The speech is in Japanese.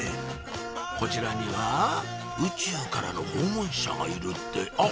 こちらには宇宙からの訪問者がいるってあっ！